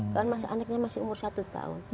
karena anaknya masih umur satu tahun